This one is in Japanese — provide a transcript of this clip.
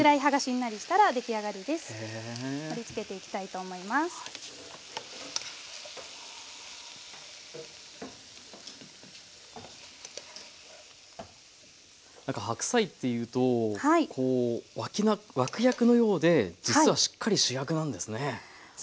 なんか白菜っていうとこう脇役のようで実はしっかり主役なんですね。